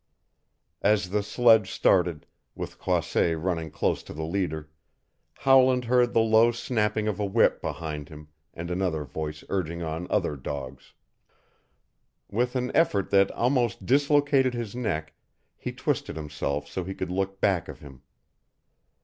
As the sledge started, with Croisset running close to the leader, Howland heard the low snapping of a whip behind him and another voice urging on other dogs. With an effort that almost dislocated his neck he twisted himself so he could look back of him.